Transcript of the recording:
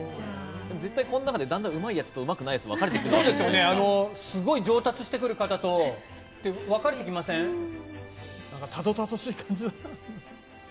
絶対この中でうまいやつとうまくないやつにすごい上達する方とたどたどしい感じだな。